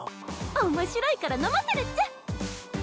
面白いから飲ませるっちゃ。